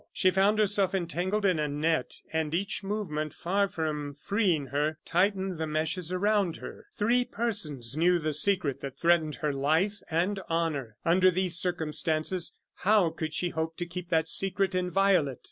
She found herself entangled in a net, and each movement far from freeing her, tightened the meshes around her. Three persons knew the secret that threatened her life and honor. Under these circumstances, how could she hope to keep that secret inviolate?